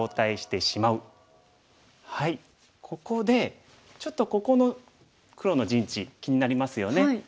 ここでちょっとここの黒の陣地気になりますよね。